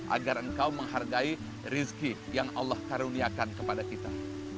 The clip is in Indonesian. agar engkau menghargai rizki yang allah karuniakan kepada kita